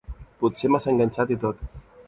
Potser massa enganxat i tot.